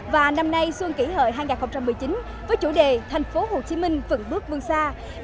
và năm nay xuân kỷ hợi hai nghìn một mươi chín với chủ đề thành phố hồ chí minh vững bước vương xa